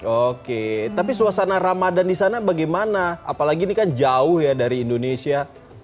oke tapi suasana ramadan di sana bagaimana apalagi ini kan jauh ya dari indonesia